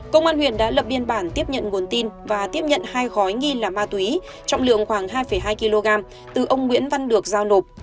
công an huyện đã lập biên bản tiếp nhận nguồn tin và tiếp nhận hai gói nghi là ma túy trọng lượng khoảng hai hai kg từ ông nguyễn văn được giao nộp